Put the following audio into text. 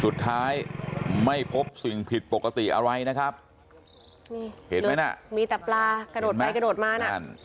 สุดท้ายไม่พบสิ่งผิดปกติอะไรนะครับนี่เห็นไหมน่ะมีแต่ปลากระโดดไปกระโดดมาน่ะนั่น